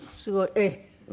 ええ。